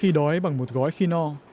khi đói bằng một gói khi no